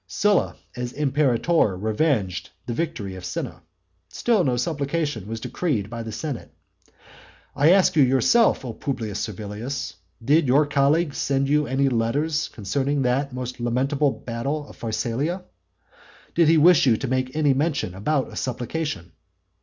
Sylla as imperator revenged the victory of Cinna, still no supplication was decreed by the senate. I ask you yourself, O Publius Servilius, did your colleague send you any letters concerning that most lamentable battle of Pharsalia? Did he wish you to make any motion about a supplication?